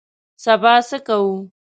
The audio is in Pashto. سبا څه کوو؟